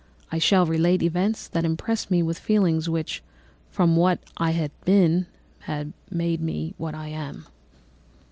I shall relate events that impressed me with feelings which, from what I had been, have made me what I am.